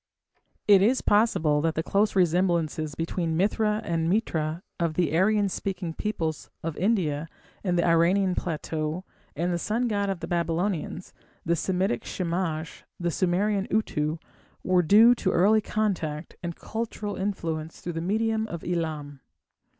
It is possible that the close resemblances between Mithra and Mitra of the Aryan speaking peoples of India and the Iranian plateau, and the sun god of the Babylonians the Semitic Shamash, the Sumerian Utu were due to early contact and cultural influence through the medium of Elam.